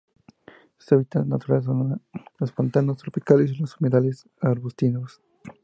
Sus hábitats naturales son los pantanos tropicales y los humedales arbustivos.